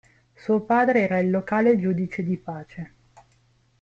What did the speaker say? Suo padre era il locale giudice di pace.